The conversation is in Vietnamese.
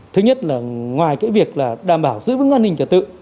thứ nhất là ngoài cái việc là đảm bảo giữ vững an ninh trật tự